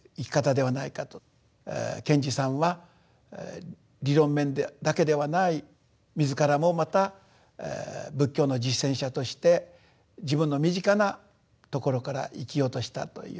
賢治さんは理論面だけではない自らもまた仏教の実践者として自分の身近なところから生きようとしたという。